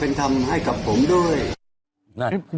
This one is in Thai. ก็ลองมาคุยกันอะไรกัน